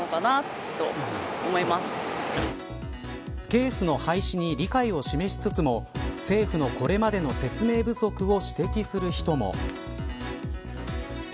ケースの廃止に理解を示しつつも政府のこれまでの説明不足を指摘する人も。